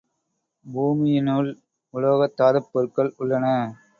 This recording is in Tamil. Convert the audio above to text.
பூமியினுள் உலோகத்தாதுப் பொருள்கள் உள்ளன.